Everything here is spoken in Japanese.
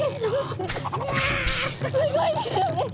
すごいですよね。